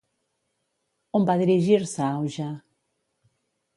On va dirigir-se Auge?